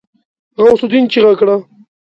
غوث االدين چيغه کړه.